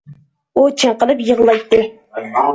ئۇ چىڭقىلىپ يىغلايتتى.